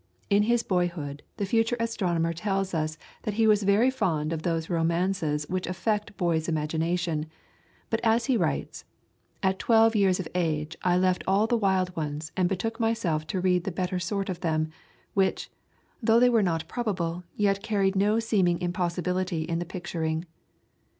In his boyhood the future astronomer tells us that he was very fond of those romances which affect boy's imagination, but as he writes, "At twelve years of age I left all the wild ones and betook myself to read the better sort of them, which, though they were not probable, yet carried no seeming impossibility in the picturing."